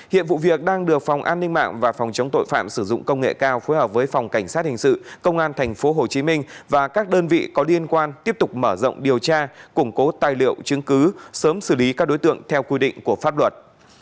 hiện vụ việc đang được phòng an ninh mạng và phòng chống tội phạm sử dụng công nghệ cao phối hợp với phòng cảnh sát hình sự công an tp hcm và các đơn vị có liên quan tiếp tục mở rộng điều tra củng cố tài liệu chứng cứ sớm xử lý các đối tượng theo quy định của pháp luật